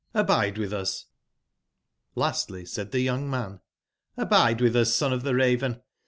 Hbide witb us "jj^ Lastly said tbe young man : Hbide witb us, Son of tbe Raven!